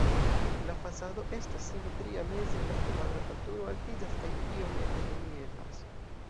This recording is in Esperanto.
La fasado estas simetria, meze la kvadrata turo altiĝas kaj iomete reliefas.